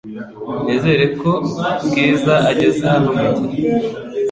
Nizere ko Bwiza ageze hano mugihe .